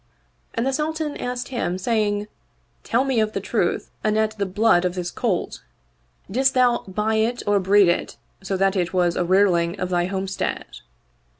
And the Sultan asked him saying, '* Tell me the truth anent the blood of this colt. Didst thou buy it or breed it so that it was a rearling of thy homestead?